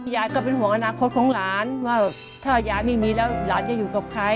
ยายก็เป็นห่วงอนาคตของหลานว่าถ้ายายไม่มีแล้วหลานจะอยู่กับใคร